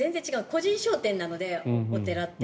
個人商店なので、お寺って。